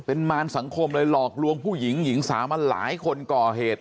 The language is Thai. เป็นมารสังคมเลยหลอกลวงผู้หญิงหญิงสาวมาหลายคนก่อเหตุ